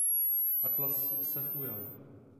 Atlas se neujal.